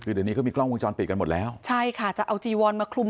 คือเดี๋ยวนี้เขามีกล้องวงจรปิดกันหมดแล้วใช่ค่ะจะเอาจีวอนมาคลุม